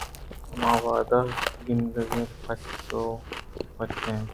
آہما وہد ءَ گندیت پُچ ءَ پچ کنئے